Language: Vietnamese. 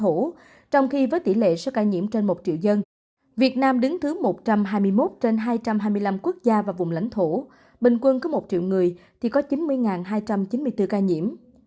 hãy đăng ký kênh để ủng hộ kênh của bạn nhé